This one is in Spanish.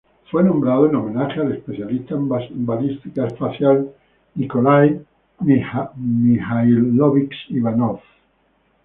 Fue nombrado en homenaje al especialista en balística espacial Nikolái Mijáilovich Ivanov.